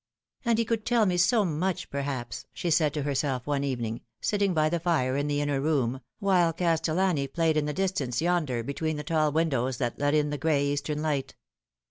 " And he could tell me so much, perhaps," she said to her self one evening, sitting by the fire in the inner room, while Castellani played in the distance yonder between the tall win dows that let in the gray eastern light.